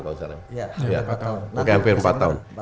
hampir empat tahun